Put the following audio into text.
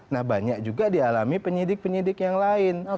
nah banyak juga dialami penyidik penyidik yang lain